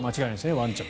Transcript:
ワンちゃんが。